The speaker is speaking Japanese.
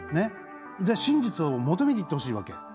真実を求めにいってほしいわけ。